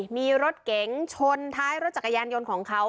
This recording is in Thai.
มีรถเก๋งชนท้ายรถจักรยานยนต์ของเขา